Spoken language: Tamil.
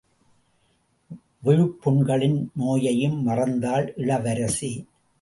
விழுப்புண்களின் நோவையும் மறந்தாள் இளவரசி.